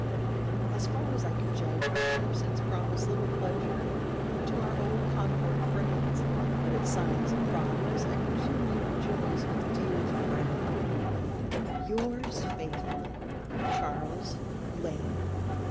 As far as I could judge, our absence promised little pleasure to our old Concord friends; but at signs of progress I presume they rejoiced with, dear friend, "Yours faithfully, "CHARLES LANE."